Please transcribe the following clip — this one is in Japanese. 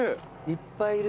いっぱいいる。